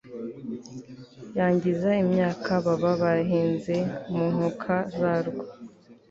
yangiza imyaka baba barahinze mu nkuka zarwo